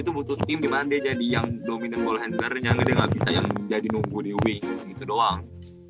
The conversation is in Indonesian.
itu butuh tim dimana dia jadi yang dominan goal handlernya dia gak bisa yang jadi nunggu di wing gitu doang